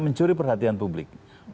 mencuri perhatian publik